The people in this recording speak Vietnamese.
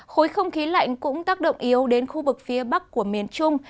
khối không khí lạnh cũng tác động yếu đến khu vực phía bắc của miền trung